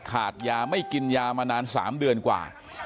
ขาดยาไม่กินยามานาน๓เดือนกว่า